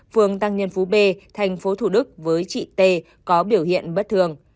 phường tăng nhân phú b tp thủ đức với chị t có biểu hiện bất thường